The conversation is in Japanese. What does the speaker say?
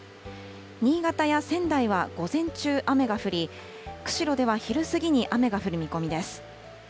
新潟や仙台は午前中雨が降り、釧路では昼過ぎに雨が降る見込みです。